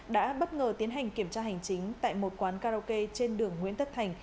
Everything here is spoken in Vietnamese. đã bất ngờ tiến hành kiểm tra hành chính tại một quán karaoke trên đường nguyễn tất thành